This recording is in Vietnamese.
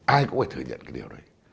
ai cũng phải thừa nhận cái điều đấy